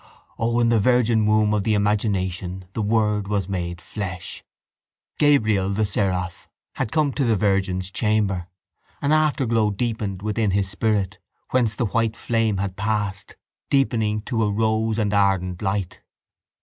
O! In the virgin womb of the imagination the word was made flesh. Gabriel the seraph had come to the virgin's chamber. An afterglow deepened within his spirit, whence the white flame had passed, deepening to a rose and ardent light.